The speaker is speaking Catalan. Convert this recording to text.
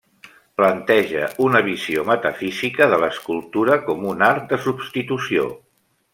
Planteja una visió metafísica de l'escultura com un art de substitució.